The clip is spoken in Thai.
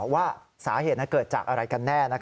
ว่าสาเหตุเกิดจากอะไรกันแน่